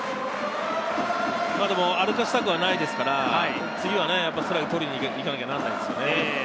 でも歩かせたくはないですから、次はストライクを取りに行かなければならないですね。